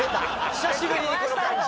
久しぶりにこの感じ。